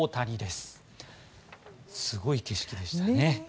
すごい景色でしたね。